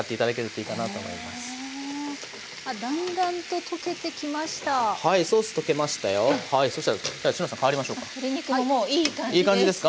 いい感じですか。